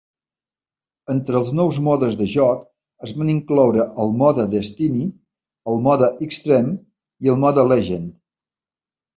Entre els nous modes de joc es van incloure el mode Destiny, el mode Xtreme i el mode Legend.